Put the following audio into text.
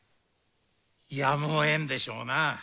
やむを得んでしょうな。